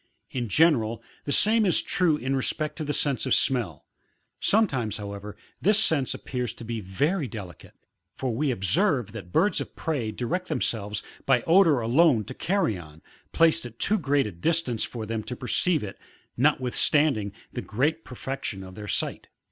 In general, the same is true in respect to the sense of smell ; sometimes, however, this sense appears to be very delicate ; for we observe that birds of prey direct themselves by the odour alone to carrion, placed at too great a distance for them to perceive it, notwithstanding the great perfection of their sight.